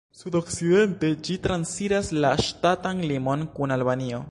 Sudokcidente ĝi transiras la ŝtatan limon kun Albanio.